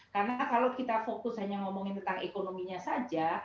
karena kalau kita fokus hanya ngomongin tentang ekonominya saja